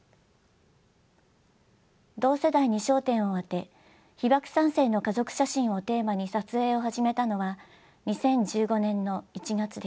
同世代に焦点を当て被爆三世の家族写真をテーマに撮影を始めたのは２０１５年の１月です。